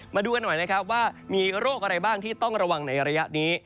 มาดูกันหน่อยนะครับว่ามีโรคอะไรบ้างที่ต้องระวังในระยะนี้